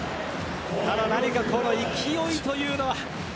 ただ、何か勢いというのが。